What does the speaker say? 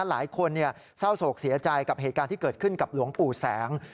หลายคนเศร้าโศกเสียใจกับเหตุการณ์ที่เกิดขึ้นกับหลวงปู่แสง